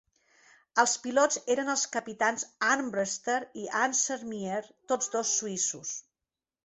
Els pilots eren els capitans Armbruster i Ansermier, tots dos suïssos.